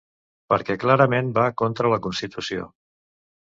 Perquè clarament va contra la constitució.